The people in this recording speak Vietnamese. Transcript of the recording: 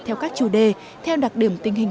theo các chủ đề theo đặc điểm tình hình